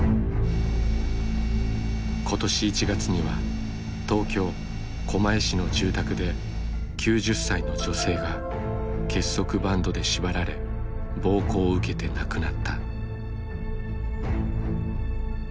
今年１月には東京・狛江市の住宅で９０歳の女性が結束バンドで縛られ暴行を受けて亡くなった。